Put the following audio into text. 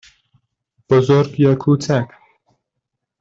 بزرگ یا کوچک؟